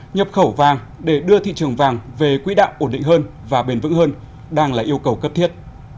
nhập khẩu vàng để đưa thị trường vàng về quỹ đạo ổn định hơn và bền vững hơn đang là yêu cầu cấp thiết